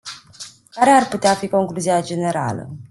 Care ar putea fi concluzia generală?